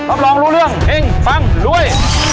รับรองรู้เรื่องเฮงปังรวย